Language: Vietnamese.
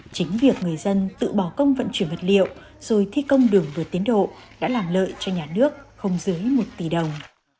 chính việc người dân tự bỏ công vận chuyển vật liệu rồi thi công đường vượt tiến độ đã làm lợi cho nhà nước không dưới một tỷ đồng